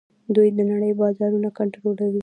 دوی د نړۍ بازارونه کنټرولوي.